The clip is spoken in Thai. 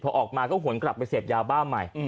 พอออกมาก็หวนกลับไปเสพยาบ้าใหม่